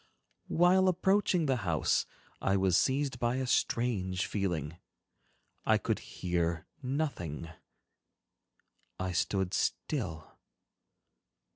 While approaching the house, I was seized by a strange feeling. I could hear nothing, I stood still.